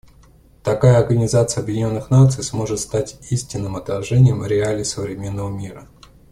Такая Организация Объединенных Наций сможет стать истинным отражением реалий современного мира.